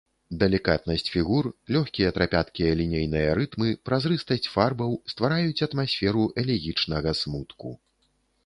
Далікатнасць фігур, лёгкія трапяткія лінейныя рытмы, празрыстасць фарбаў ствараюць атмасферу элегічнага смутку.